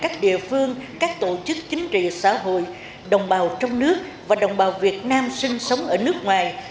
các tổ chức chính trị xã hội đồng bào trong nước và đồng bào việt nam sinh sống ở nước ngoài